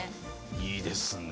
いいですね。